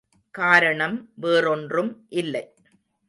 காரணம் வேறொன்றும் இல்லை.